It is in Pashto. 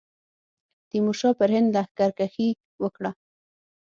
تیمورشاه پر هند لښکرکښي وکړه.